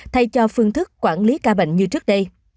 thay cho phương thức quản lý ca bệnh như trước đây